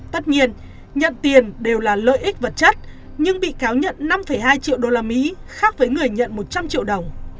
tất nhiên nhận tiền đều là lợi ích vật chất nhưng bị cáo nhận năm hai triệu đô la mỹ khác với người nhận một trăm linh triệu đồng